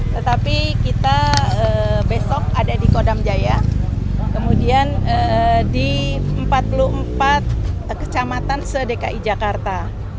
tetapi kita besok ada di kodam jaya kemudian di empat puluh empat kecamatan se dki jakarta